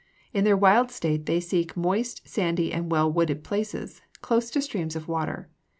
In their wild state they seek moist, sandy, and well wooded places, close to streams of water.